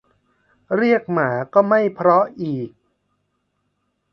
เรียกหมาก็ไม่เพราะอีก